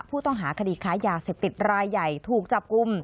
ผู้ต้องหาคดีค้ายาเสพติดรายใหญ่ถูกจับกลุ่ม